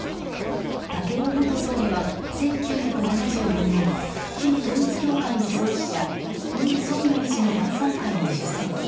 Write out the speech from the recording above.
赳夫元総理は１９７４年旧統一教会の創始者文鮮明氏の晩さん会に出席。